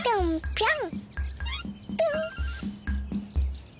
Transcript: ぴょん！